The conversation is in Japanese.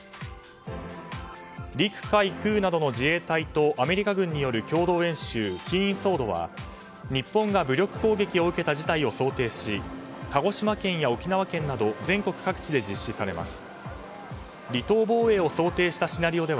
陸海空などの自衛隊とアメリカ軍による共同演習キーン・ソードは日本が武力攻撃を受けた事態を想定し鹿児島県や沖縄県など全国各地で実施されます。